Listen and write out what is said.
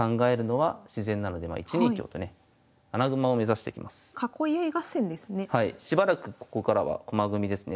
しばらくここからは駒組みですね。